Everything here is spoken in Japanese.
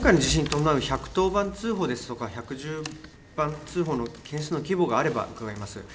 今回の地震、１１０番通報や１１９番通報の件数の規模があれば伺います。